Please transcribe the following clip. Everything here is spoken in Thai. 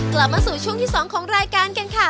กลับมาสู่ช่วงที่๒ของรายการกันค่ะ